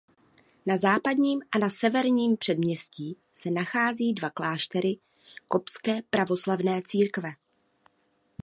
Na západním a na severním předměstí se nachází dva kláštery koptské pravoslavné církve.